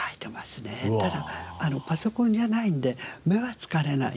ただパソコンじゃないので目は疲れない。